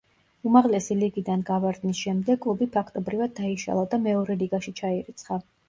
უმაღლესი ლიგიდან გავარდნის შემდეგ კლუბი ფაქტობრივად დაიშალა და მეორე ლიგაში ჩაირიცხა.